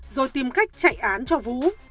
rồi tìm cách chạy án cho vũ